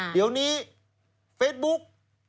เดี๋ยวนี้เฟซบุ๊ก